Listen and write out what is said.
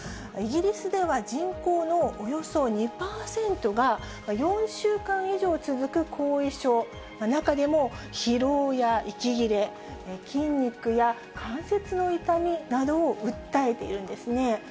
イギリスでは人口のおよそ２％が、４週間以上続く後遺症、中でも疲労や息切れ、筋肉や関節の痛みなどを訴えているんですね。